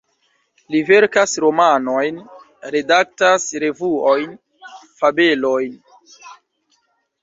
Li verkas romanojn, redaktas revuojn, fabelojn.